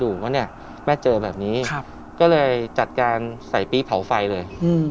ดูว่าแม่เจอแบบนี้ก็เลยจัดการใส่ปี้เผาไฟเลย